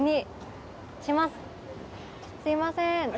すみません。